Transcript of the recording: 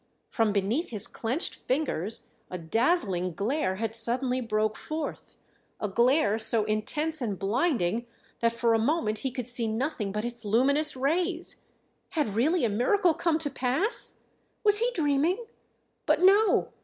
From beneath his clenched fingers a dazzling glare had suddenly broken forth a glare so intense and blinding that for a moment he could see nothing but its luminous rays! Had really a miracle come to pass? Was he dreaming? But no